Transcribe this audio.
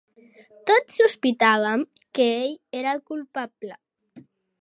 Tots sospitàvem que ell era el culpable.